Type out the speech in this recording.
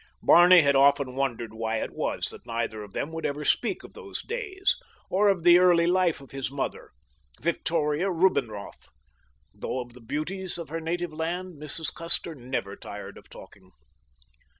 Barney had often wondered why it was that neither of them would ever speak of those days, or of the early life of his mother, Victoria Rubinroth, though of the beauties of her native land Mrs. Custer never tired of talking.